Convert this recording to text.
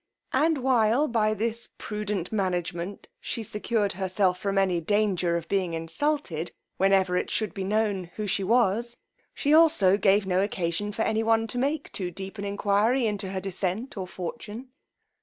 And while by this prudent management she secured herself from any danger of being insulted whenever it should be known who she was, she also gave no occasion for any one to make too deep an enquiry into her descent or fortune.